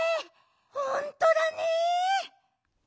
ほんとだね！